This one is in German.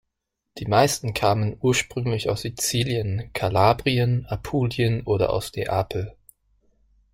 Die meisten kamen ursprünglich aus Sizilien, Kalabrien, Apulien oder aus Neapel.